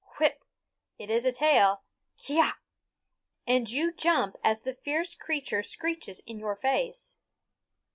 Whip, whip, it is a tail k'yaaaah! And you jump as the fierce creature screeches in your face.